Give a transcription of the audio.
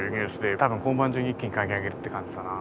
多分今晩中に一気に書き上げるって感じだな。